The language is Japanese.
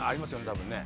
多分ね。